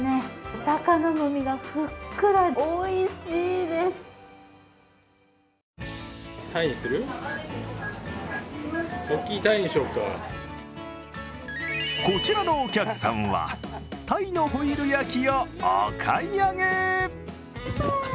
お魚の身がふっくら、おいしいですこちらのお客さんはタイのホイル焼きをお買い上げ。